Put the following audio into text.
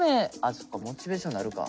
そっかモチベーションなるか。